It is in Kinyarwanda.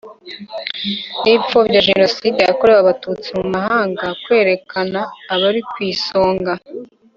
n ibipfobya Jenoside yakorewe Abatutsi mu mahanga kwerekana abari kw isonga